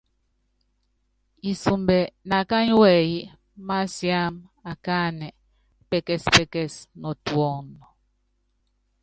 Isumbɛ nákányí wɛyí másiáma akáánɛ, pɛkɛspɛkɛs nɔ tuɔnɔ.